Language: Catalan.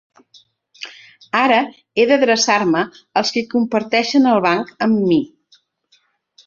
Ara he d’adreçar-me als qui comparteixen el banc amb mi.